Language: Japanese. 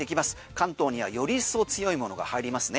関東にはより一層強いものが入りますね。